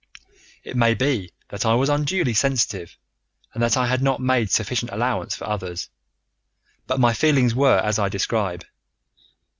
It may be that I was unduly sensitive, and that I had not made sufficient allowance for others, but my feelings were as I describe.